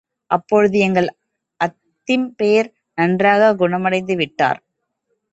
அப்பொழுது எங்கள் அத்திம்பேர் நன்றாகக் குணமடைந்துவிட்டார்.